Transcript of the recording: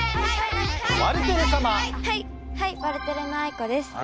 ワルテレのあいこです。